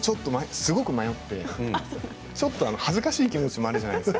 すごく迷って恥ずかしい気持ちもあるじゃないですか。